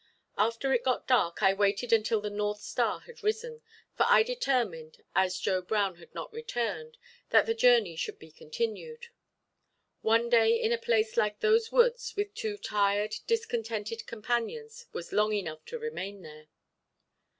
After it got dark, I waited until the north star had risen, for I determined, as Joe Brown had not returned, that the journey should be continued. One day in a place like those woods, with two tired, discontented companions, was long enough to remain there.